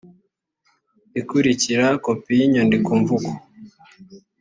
ikurikira kopi y inyandikomvugo